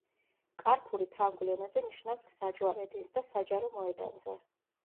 კარფური ფრანგულ ენაზე ნიშნავს „გზაჯვარედინს“ და „საჯარო მოედანზე“.